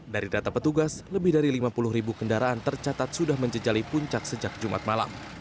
dari data petugas lebih dari lima puluh ribu kendaraan tercatat sudah menjejali puncak sejak jumat malam